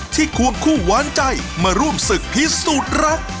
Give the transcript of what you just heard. ควงคู่หวานใจมาร่วมศึกพิสูจน์รัก